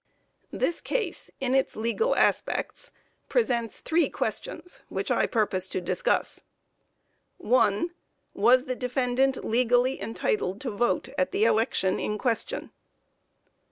This case, in its legal aspects, presents three questions, which I purpose to discuss. 1. Was the defendant legally entitled to vote at the election in question?